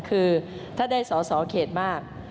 คือถ้าได้สอเคดมาก